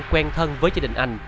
quen thân với gia đình anh